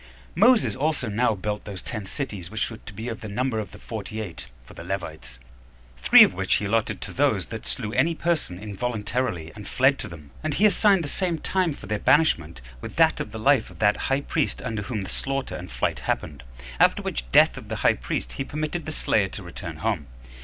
4. Moses also now built those ten cities which were to be of the number of the forty eight [for the Levites;]; three of which he allotted to those that slew any person involuntarily, and fled to them; and he assigned the same time for their banishment with that of the life of that high priest under whom the slaughter and flight happened; after which death of the high priest he permitted the slayer to return home.